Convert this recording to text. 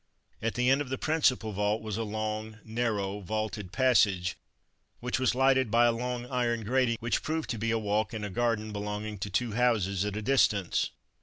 At the end of the principal vault was a long, narrow, vaulted passage, which was lighted by a long iron grating which proved to be a walk in a garden belonging to two houses at a distance.